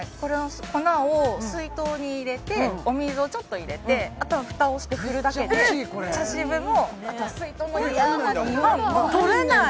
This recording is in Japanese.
粉を水筒に入れてお水をちょっと入れてあとは蓋をして振るだけで茶渋もあとは水筒の嫌なにおいも取れない！